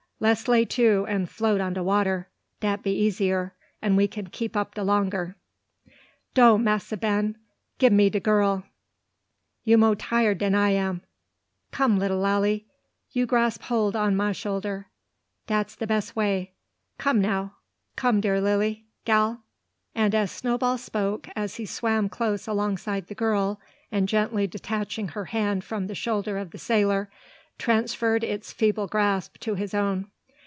"Less lay to, and float on de water. Dat be easier, and we can keep up de longer. Do, Massa Ben, gib me de gal. You mo' tired dan I. Come, lilly Lally, you grasp hold on ma shoulder! Dat's de bess way. Come, now, come, dear lilly gal." And as Snowball spoke, he swam close alongside the girl and, gently detaching her hand from the shoulder of the sailor, transferred its feeble grasp to his own.